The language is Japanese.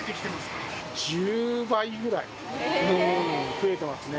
増えてますね。